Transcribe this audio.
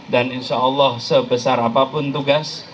dan insya allah sebesar apapun tugas